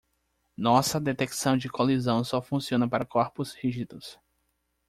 Nossa detecção de colisão só funciona para corpos rígidos.